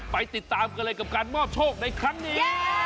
ไปติดตามกันเลยกับการมอบโชคในครั้งนี้